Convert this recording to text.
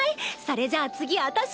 それじゃあ次私！